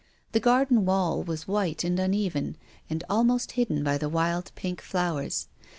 The garden wall was white and uneven, and almost hidden by wild, pink flowers.